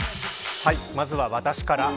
まずは私から。